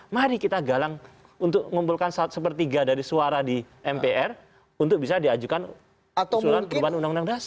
mari kita galang untuk ngumpulkan sepertiga dari suara di mpr untuk bisa diajukan perubahan undang undang dasar